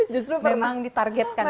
justru memang ditargetkan